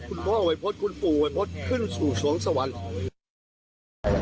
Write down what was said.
คุณพ่ออาวัยพฤษคุณปู่อาวัยพฤษขึ้นสู่สวงสวรรค์สวรรค์